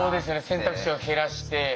選択肢を減らして。